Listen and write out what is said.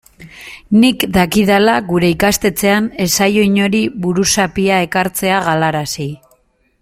Nik dakidala gure ikastetxean ez zaio inori buruzapia ekartzea galarazi.